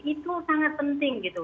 itu sangat penting